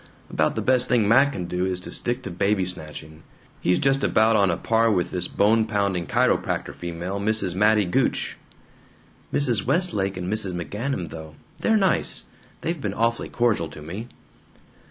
About the best thing Mac can do is to stick to baby snatching. He's just about on a par with this bone pounding chiropractor female, Mrs. Mattie Gooch." "Mrs. Westlake and Mrs. McGanum, though they're nice. They've been awfully cordial to me."